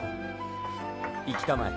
行きたまえ。